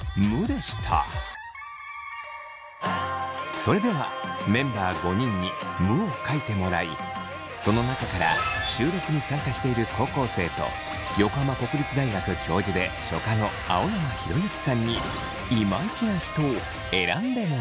それではメンバー５人に「む」を書いてもらいその中から収録に参加している高校生と横浜国立大学教授で書家の青山浩之さんにいまいちな人を選んでもらいます。